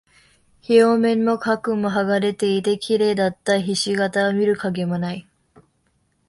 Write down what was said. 表面も角も剥がれていて、綺麗だった菱形は見る影もない。